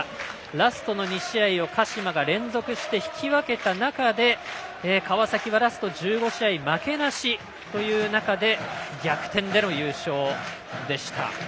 ラストの２試合を鹿島が連続して引き分けた中で川崎はラスト１５試合負けなしという中で逆転での優勝でした。